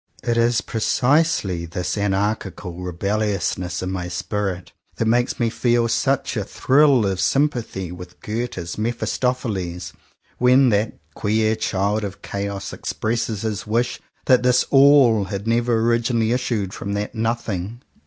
It is precisely this anarchical rebellious ness in my spirit that makes me feel such a thrill of sympathy with Goethe's Mephis topheles, when that queer Child of Chaos expresses his wish that this "All" had never originally issued from that "Nothing."